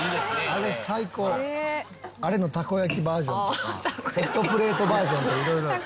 あれのたこ焼きバージョンとかホットプレートバージョンとか色々ある」